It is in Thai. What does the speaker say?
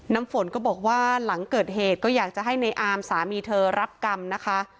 น้ำฝนก็บอกว่าหลังเกิดเหตุก็อยากจะให้ในอามสามีเธอรับกรรมนะคะ